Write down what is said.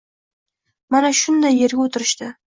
Mana shunday yerga o‘tirishdi.